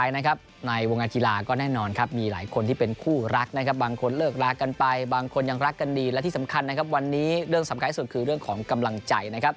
ในวงการกีฬาก็แน่นอนครับมีหลายคนที่เป็นคู่รักนะครับบางคนเลิกลากันไปบางคนยังรักกันดีและที่สำคัญนะครับวันนี้เรื่องสำคัญที่สุดคือเรื่องของกำลังใจนะครับ